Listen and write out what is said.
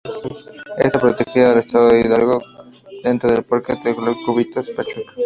Está protegida en el estado de Hidalgo dentro del Parque Ecológico Cubitos, Pachuca.